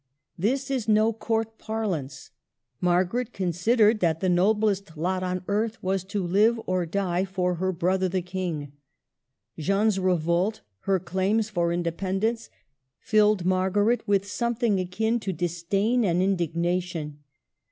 This is no court parlance. Margaret considered that the noblest lot on earth was to live or to die for her brother, the King. Jeanne's revolt, her claims for inde pendence, filled Margaret with something akin to disdain and indignation.